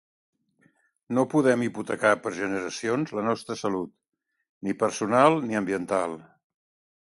No podem hipotecar per generacions la nostra salut, ni personal ni ambiental.